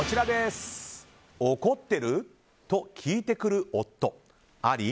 怒ってる？と聞いてくる夫あり？